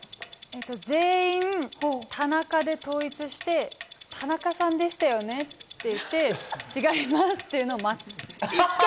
全員、田中で統一して、田中さんでしたよね？と言って違いますというのを待つ。